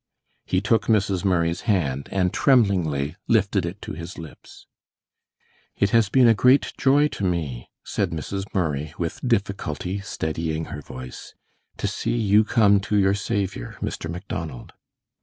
He took Mrs. Murray's hand and tremblingly lifted it to his lips. "It has been a great joy to me," said Mrs. Murray, with difficulty steadying her voice, "to see you come to your Saviour, Mr. Macdonald."